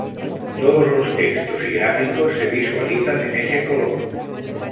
Todos los textos y gráficos se visualizan en ese color.